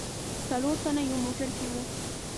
څلور تنه یو موټر کې و.